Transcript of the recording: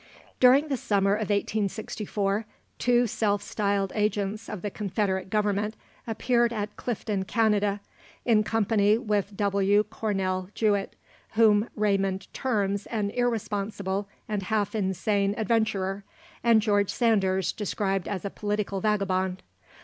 During the summer of 1864, two self styled agents of the Confederate Government appeared at Clifton, Canada, in company with W. Cornell Jewett, whom Raymond terms an irresponsible and half insane adventurer, and George Sanders, described as a political vagabond.